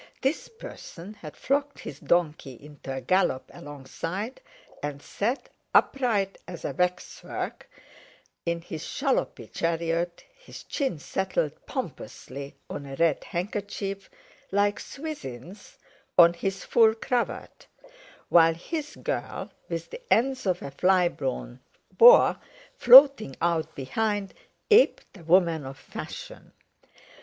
This person had flogged his donkey into a gallop alongside, and sat, upright as a waxwork, in his shallopy chariot, his chin settled pompously on a red handkerchief, like Swithin's on his full cravat; while his girl, with the ends of a fly blown boa floating out behind, aped a woman of fashion.